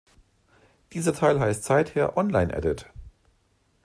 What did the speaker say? Dieser Teil heißt seither Online-Edit.